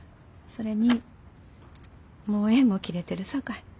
それにもう縁も切れてるさかい。